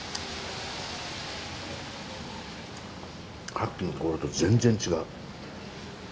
さっきの所と全然違う。